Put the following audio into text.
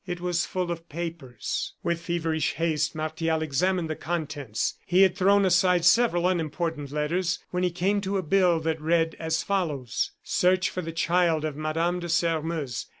It was full of papers. With feverish haste, Martial examined the contents. He had thrown aside several unimportant letters, when he came to a bill that read as follows: "Search for the child of Madame de Sairmeuse.